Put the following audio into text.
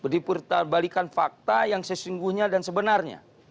dipurtabalikan fakta yang sesungguhnya dan sebenarnya